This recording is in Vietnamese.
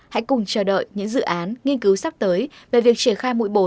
hãy cùng chờ đợi những dự án nghiên cứu sắp tới về việc triển khai mũi bổ